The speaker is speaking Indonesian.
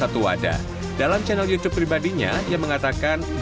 tapi menurut mereka itulah